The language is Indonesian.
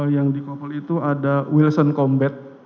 yang dikompol itu ada wilson combat